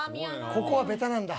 ここはベタなんだ。